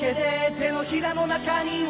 「手のひらの中には」